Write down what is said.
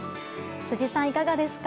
辻さん、いかがですか。